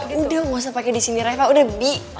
udah gak usah pake di sini reva udah bi